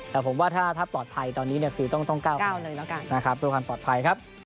แต่ผมว่าถ้าปลอดภัยตอนนี้คือต้องก้าวเลยแล้วกันนะครับเพื่อความปลอดภัยครับ